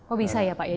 oh bisa ya pak ya